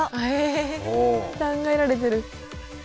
へえ考えられてる。